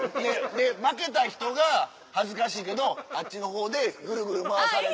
で負けた人が恥ずかしいけどあっちの方でぐるぐる回されて。